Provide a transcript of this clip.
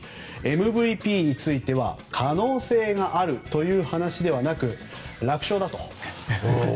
ＭＶＰについては可能性があるという話ではなく楽勝だと。